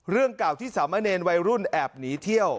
เรื่องเก่าที่สามะเนรวัยรุ่นแอบหนีเที่ยว